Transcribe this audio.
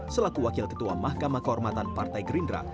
selaku wakil ketua mahkamah kehormatan partai gerindra